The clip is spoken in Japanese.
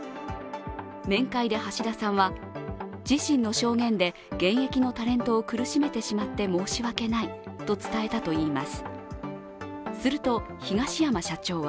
面会で橋田さんは、自身の証言で現役のタレントを苦しめてしまって申し訳ないと伝えたといいます。